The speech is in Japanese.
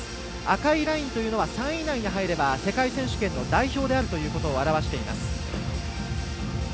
赤いラインというのは３位以内に入れば世界選手権の代表であるということを表しています。